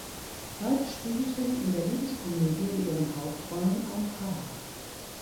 Beide spielten in der Liebeskomödie in ihren Hauptrollen ein Paar.